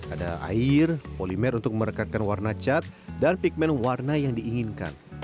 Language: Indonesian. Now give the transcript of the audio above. ada air polimer untuk merekatkan warna cat dan pigment warna yang diinginkan